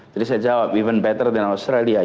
jadi saya jawab lebih baik dari australia